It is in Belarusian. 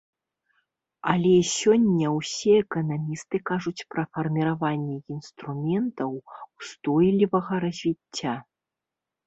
Але сёння ўсе эканамісты кажуць пра фарміраванне інструментаў устойлівага развіцця.